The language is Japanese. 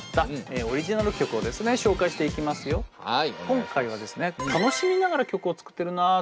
今回はですね「楽しみながら曲を作ってるなあ」